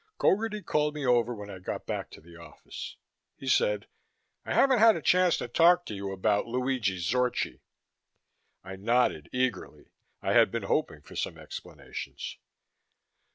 Gogarty called me over when I got back to the office. He said, "I haven't had a chance to talk to you about Luigi Zorchi." I nodded eagerly. I had been hoping for some explanations.